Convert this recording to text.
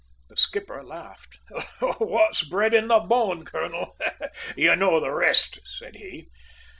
The skipper laughed. "`What's bred in the bone,' colonel you know the rest!" said he.